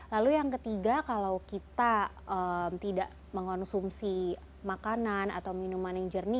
lalu yang ketiga kalau kita tidak mengonsumsi makanan atau minuman yang jernih